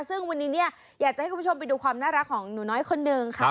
ซึ่งวันนี้เนี่ยอยากจะให้คุณผู้ชมไปดูความน่ารักของหนูน้อยคนหนึ่งค่ะ